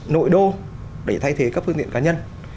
nội đô để thay thế các phương tiện cá nhân